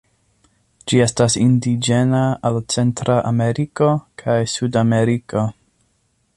Ĝi estas indiĝena al Centra Ameriko kaj Sudameriko.